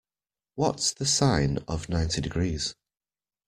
What's the sine of ninety degrees?